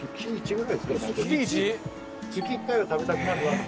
月１回は食べたくなるなと。